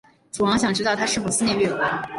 楚王想知道他是否思念越国。